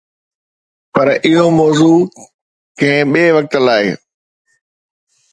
پر اهو موضوع ڪنهن ٻئي وقت لاءِ.